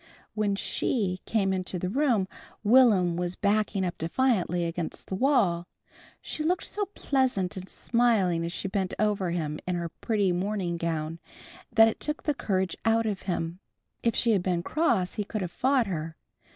When She came into the room Will'm was backed up defiantly against the wall. She looked so pleasant and smiling as she bent over him in her pretty morning gown, that it took the courage out of him. If she had been cross he could have fought her.